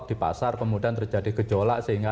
di pasar kemudian terjadi gejolak sehingga